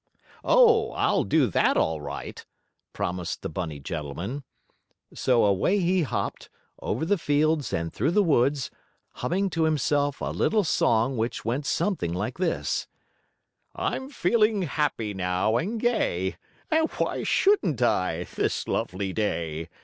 "Oh, I'll do that all right," promised the bunny gentleman. So away he hopped, over the fields and through the woods, humming to himself a little song which went something like this: "I'm feeling happy now and gay, Why shouldn't I, this lovely day?